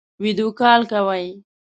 ویډیو کال کوئ؟